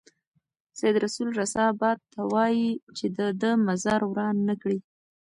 سید رسول رسا باد ته وايي چې د ده مزار وران نه کړي.